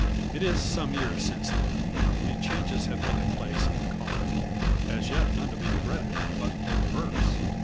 It is some years since then, and changes have taken place in the colony. As yet none to be regretted, but the reverse.